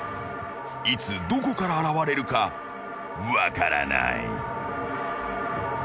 ［いつどこから現れるか分からない］